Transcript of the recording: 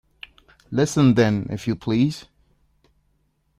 Listen then, if you please.